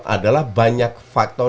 adalah banyak faktor